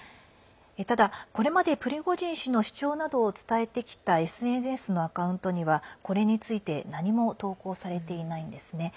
ただ、これまでプリゴジン氏の主張などを伝えてきたＳＮＳのアカウントにはこれについて何も投稿されていないんですね。